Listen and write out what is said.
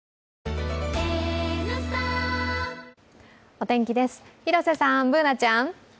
お天気です、広瀬さん、Ｂｏｏｎａちゃん。